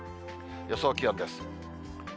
予想気温です。